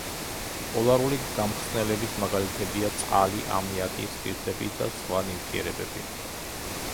პოლარული გამხსნელების მაგალითებია წყალი, ამიაკი, სპირტები, და სხვა ნივთიერებები.